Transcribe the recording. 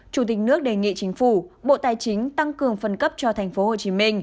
chủ tịch nước đề nghị chính phủ bộ tài chính tăng cường phân cấp cho tp hcm